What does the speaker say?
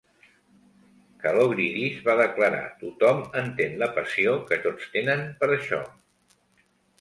Kalogridis va declarar "Tothom entén la passió que tots tenen per això".